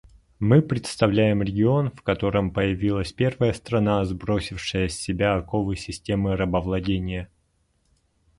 Мы представляем регион, в котором появилась первая страна, сбросившая с себя оковы системы рабовладения.